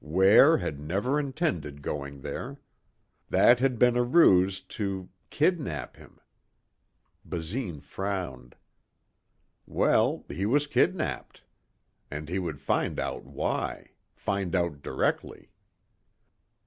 Ware had never intended going there. That had been a ruse to kidnap him. Basine frowned. Well, he was kidnapped. And he would find out why. Find out directly.